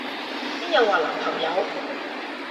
邊有話男朋友？